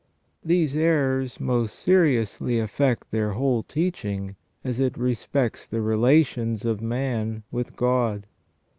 These errors most seriously affect their whole teaching as it respects the relations of man with God.